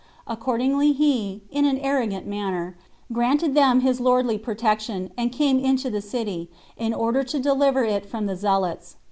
Accordingly he, in an arrogant manner, granted them his lordly protection, and came into the city, in order to deliver it from the zealots.